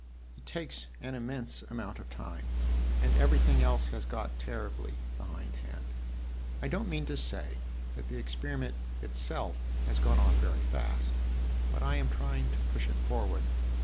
It takes an immense amount of time, and everything else has got terribly behindhand. I don't mean to say that the experiment itself has gone on very fast; but I am trying to push it forward.